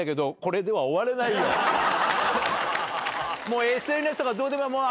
もうＳＮＳとかどうでもいい。